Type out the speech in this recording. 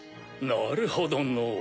なるほどのぅ。